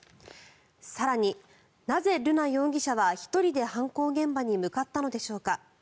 更に、なぜ瑠奈容疑者は１人で犯行現場に向かったのでしょうか。